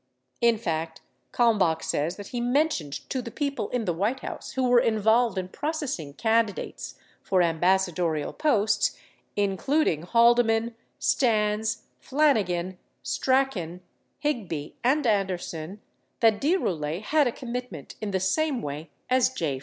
In fact, Kalmbach says that he mentioned to the people in the White House who were involved in processing candidates for ambassadorial posts — including Haldeman, Stans, Flanigan, Strachan, Higby and Anderson — that De Roulet had a commitment in the same way as J.